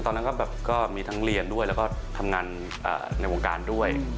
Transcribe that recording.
ตอนนั้นก็แบบก็มีทั้งเรียนด้วยแล้วก็ทำงานในวงการด้วย